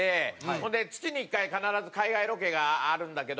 ほんで月に１回必ず海外ロケがあるんだけど。